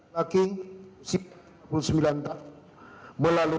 laki laki usia dua puluh sembilan tahun melalui